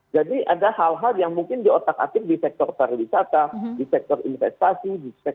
jadi ada hal hal yang mungkin diotak atik di sektor pariwisata di sektor investasi